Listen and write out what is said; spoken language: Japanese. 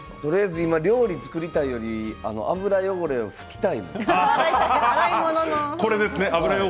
今は料理作りたいよりも油汚れを拭きたい。